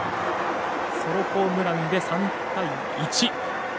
ソロホームランで３対１。